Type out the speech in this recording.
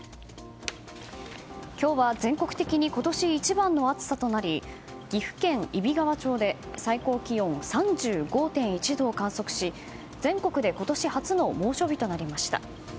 今日は全国的に今年一番の暑さとなり岐阜県揖斐川町で最高気温３５．１度を観測し全国で今年初の猛暑日となりました。